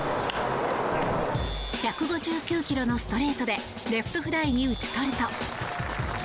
１５９ｋｍのストレートでレフトフライに打ち取ると。